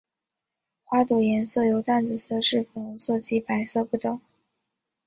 花朵颜色由淡紫色至粉红色及白色不等。